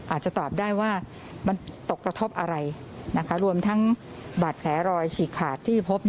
อาจจะตอบได้ว่ามันตกกระทบอะไรรวมทั้งบาดแผลรอยฉีกขาดที่พบ